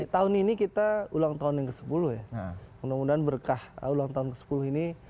tahun ini kita ulang tahun yang ke sepuluh ya mudah mudahan berkah ulang tahun ke sepuluh ini